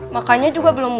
makannya juga belum mulai